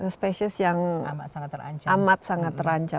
spesies yang amat sangat terancam